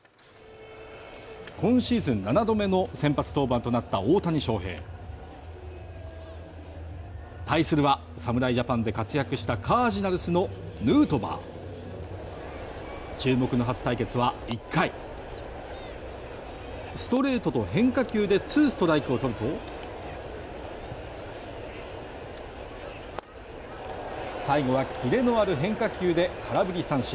今シーズン７度目の先発登板となった大谷翔平対するは、侍ジャパンで活躍したカージナルスのヌートバー注目の初対決は、１回ストレートと変化球でツーストライクを取ると最後は切れのある変化球で空振り三振。